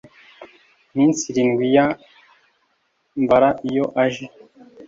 iminsi irindwih yambara iyo aje